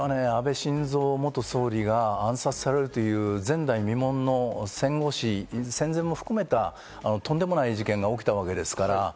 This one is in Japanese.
安倍晋三元総理が暗殺されるという前代未聞の戦前も含めた、とんでもない事件が起きたわけですから。